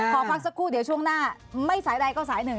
ขอพักสักครู่เดี๋ยวช่วงหน้าไม่สายใดก็สายหนึ่ง